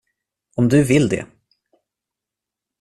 Om du vill det.